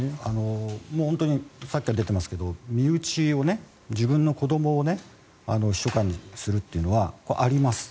さっきから出てますけど身内、自分の子どもを秘書官にするっていうのはこれはあります。